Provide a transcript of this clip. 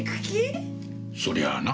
そりゃあな。